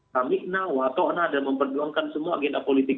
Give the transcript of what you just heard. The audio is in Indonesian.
kami nahwa toh nah dan memperjuangkan semua agenda politik